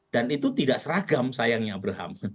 dan itu tidak seragam sayangnya abraham